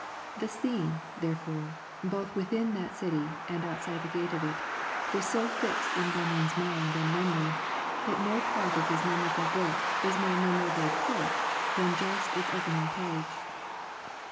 The scene, therefore, both within that city and outside the gate of it, was so fixed in Bunyan's mind and memory that no part of his memorable book is more memorably put than just its opening page.